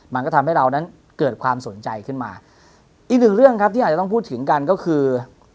มันก็ทำให้เรานั้นเกิดความสนใจขึ้นมาอีกหนึ่งเรื่องครับที่อาจจะต้องพูดถึงกันก็คือ